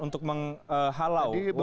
untuk menghalau warga